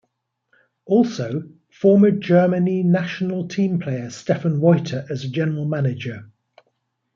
Also, former Germany national team player Stefan Reuter as a general manager.